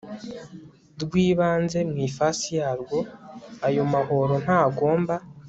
rw ibanze mu ifasi yarwo ayo mahoro ntagomba